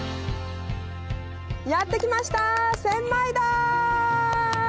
やって来ました千枚田！